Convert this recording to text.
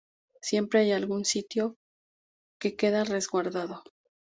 Siempre hay algún sitio que queda resguardado.